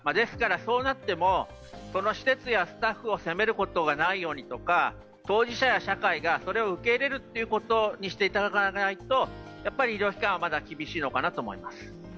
そうなっても、その施設やスタッフを責めることがないようにとか、当事者や社会がそれを受け入れることにしていただかないと医療機関はまだ厳しいのかなと思います。